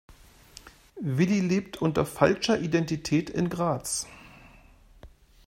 Willi lebt unter falscher Identität in Graz.